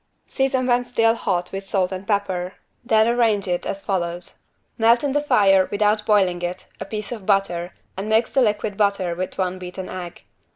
Season when still hot with salt and pepper, then arrange it as follows. Melt in the fire, without boiling it, a piece of butter and mix the liquid butter with one beaten egg.